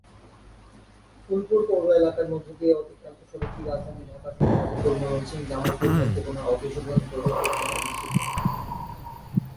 ফুলপুর পৌর এলাকার মধ্য দিয়ে অতিক্রান্ত সড়কটি রাজধানী ঢাকাসহ গাজীপুর, ময়মনসিংহ, জামালপুর, নেত্রকোণা ও কিশোরগঞ্জ ভৈরব পর্যন্ত বিস্তৃত।